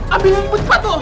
ambilin cepat bu